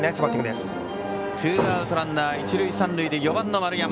ツーアウトランナー、一塁三塁で４番の丸山。